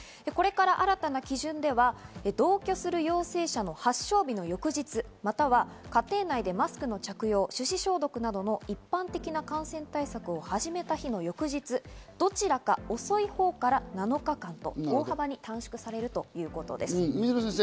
これから新たな基準では同居する陽性者の発症日の翌日、または家庭内でマスクの着用、手指消毒などの一般的な感染対策を始めた日の翌日、どちらか遅いほうから７日間と大幅に短縮されるということです。